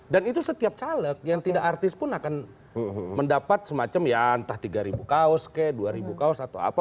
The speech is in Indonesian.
dan itu setiap caleg yang tidak artis pun akan mendapat semacam ya entah tiga kaos ke dua kaos atau apa